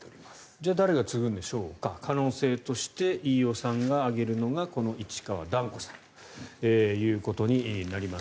じゃあ誰が継ぐんでしょうか可能性として飯尾さんが挙げるのが市川團子さんということになります。